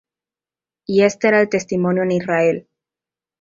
y este era el testimonio en Israel.